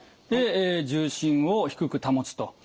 で重心を低く保つと。